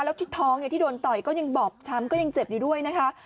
แล้วที่ท้องที่โดนต่อยก็ยังบอบช้ำก็ยังเจ็บอยู่ด้วยนะคะ